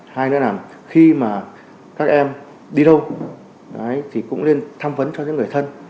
hai nữa là khi mà các em đi đâu thì cũng nên tham vấn cho những người thân